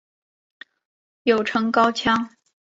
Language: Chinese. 又称高腔。